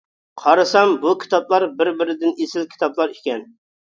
قارىسام، بۇ كىتابلار بىر بىرىدىن ئېسىل كىتابلار ئىكەن.